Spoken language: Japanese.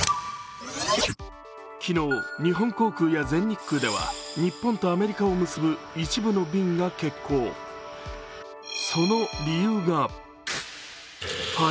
昨日、日本航空や全日空では日本とアメリカを結ぶ一部の便が欠航、その理由が５Ｇ。